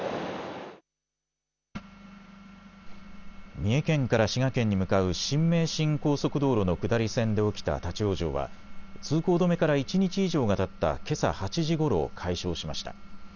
三重県から滋賀県に向かう新名神高速道路の下り線で起きた立往生は通行止めから一日以上がたったけさ８時ごろ解消しました。